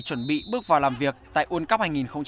chuẩn bị bước vào làm việc tại uol cup hai nghìn một mươi tám